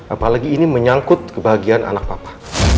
apalagi ini menyangkut kebahagiaan anak papa